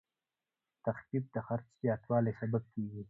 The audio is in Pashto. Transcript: تخفیف د خرڅ زیاتوالی سبب کېږي.